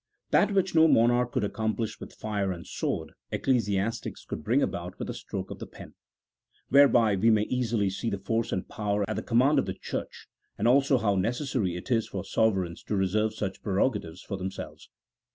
That which no monarch could accomplish with fire and sword, ecclesiastics could bring about with a stroke of the pen ; whereby we may easily see the force and power at the command of the Church, and also how necessary it is for sovereigns to reserve such prerogatives for themselves.